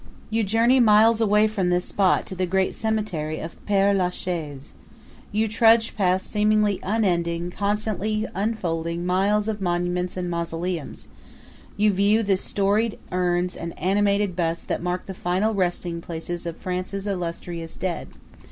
You journey miles away from this spot to the great cemetery of Pere Lachaise. You trudge past seemingly unending, constantly unfolding miles of monuments and mausoleums; you view the storied urns and animated busts that mark the final resting places of France's illustrious dead.